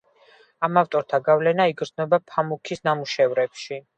ამ ავტორთა გავლენა იგრძნობა ფამუქის ნამუშევრებში.